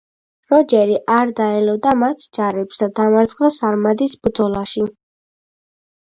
როჯერი არ დაელოდა მათ ჯარებს და დამარცხდა სარმადის ბრძოლაში.